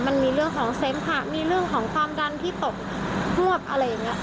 มันมีเรื่องของเสมหะมีเรื่องของความดันที่ตกฮวบอะไรอย่างนี้